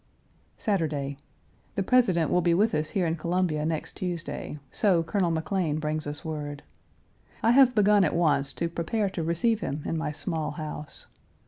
Saturday. The President will be with us here in Columbia next Tuesday, so Colonel McLean brings us word. I have begun at once to prepare to receive him in my small house.